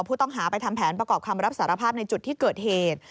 ผู้ต้องหาไปทำแผนประกอบคำรับสารภาพในจุดที่เกิดเหตุ